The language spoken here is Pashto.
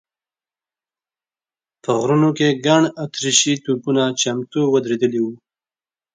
په غرونو کې ګڼ اتریشي توپونه چمتو ودرېدلي و.